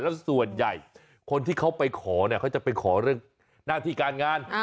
แล้วส่วนใหญ่คนที่เขาไปขอเนี่ยเขาจะไปขอเรื่องหน้าที่การงาน